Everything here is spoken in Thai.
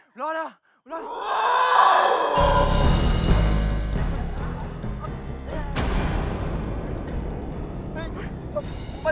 ไปไอ้มายอยู่ออกชีวิตให้ไว้